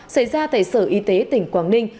xảy ra tại sở y tế tỉnh quảng ninh